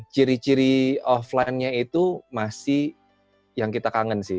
ciri ciri offline nya itu masih yang kita kangen sih